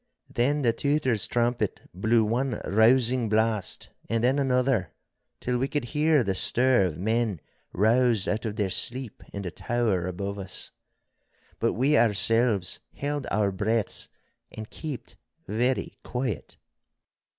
Then the Tutor's trumpet blew one rousing blast and then another, till we could hear the stir of men roused out of their sleep in the tower above us. But we ourselves held our breaths and keeped very quiet.